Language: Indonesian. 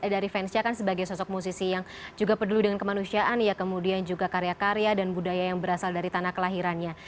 dari fansya kan sebagai sosok musisi yang juga peduli dengan kemanusiaan ya kemudian juga karya karya dan budaya yang berasal dari tanah kelahirannya